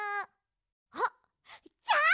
あっじゃあ。